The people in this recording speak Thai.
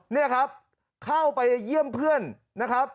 นี่ครับเข้าไปเยี่ยมเพื่อนนะครับ